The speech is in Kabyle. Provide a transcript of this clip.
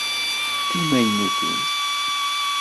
D timaynutin?